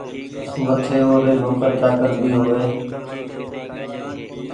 وٺي او ري نوڪر چآڪر ڀي هووي